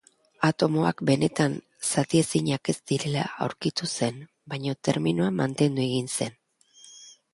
Atomoak benetan zatiezinak ez direla aurkitu zen, baina terminoa mantendu egin zen